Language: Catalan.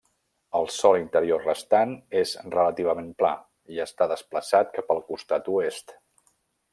El sòl interior restant és relativament pla, i està desplaçat cap al costat oest.